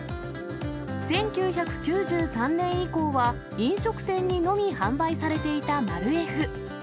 １９９３年以降は、飲食店にのみ販売されていたマルエフ。